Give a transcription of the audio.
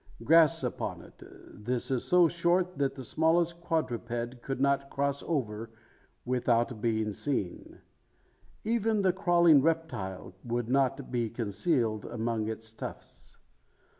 Grass upon it; this so short, that the smallest quadruped could not cross over without being seen. Even the crawling reptile would not be concealed among its tufts.